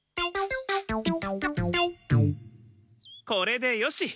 これでよし！